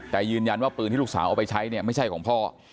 แต่ยืนยันว่าปืนที่ลูกสาวเอาไปใช้เนี่ยไม่ใช่ของพ่อ